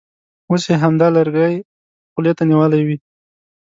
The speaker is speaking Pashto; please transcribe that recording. اوس یې همدا لرګی خولې ته نیولی وي.